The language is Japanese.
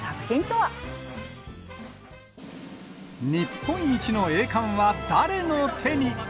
日本一の栄冠は誰の手に。